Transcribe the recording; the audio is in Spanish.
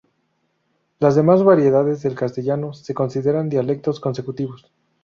Las demás variedades del castellano se consideran dialectos consecutivos.